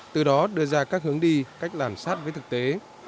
từ đó đưa ra các hướng đi cách làm sát với thực tế